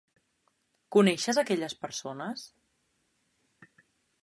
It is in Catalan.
Coneixes aquelles persones?